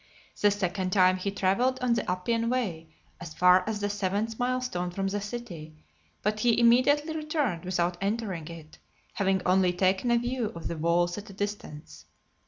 The second time he travelled on the Appian Way , as far as the seventh mile stone from the city, but he immediately returned, without entering it, having only taken a view of the walls at a distance.